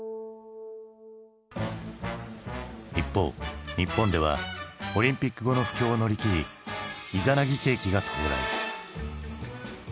一方日本ではオリンピック後の不況を乗り切りいざなぎ景気が到来。